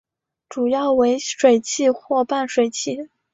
主要为水栖或半水栖。